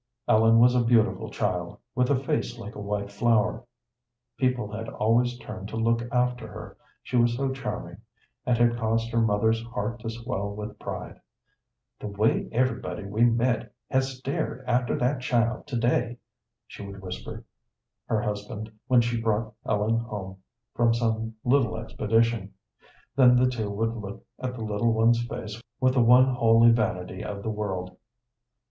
Ellen was a beautiful child, with a face like a white flower. People had always turned to look after her, she was so charming, and had caused her mothers heart to swell with pride. "The way everybody we met has stared after that child to day!" she would whisper her husband when she brought Ellen home from some little expedition; then the two would look at the little one's face with the one holy vanity of the world.